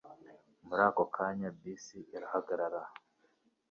Muri ako kanya, bisi irahagarara.